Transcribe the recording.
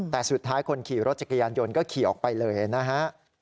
แต่สุดท้ายคนขี่รถจักรยานยนต์ก็ขี่ออกไปเลยนะฮะ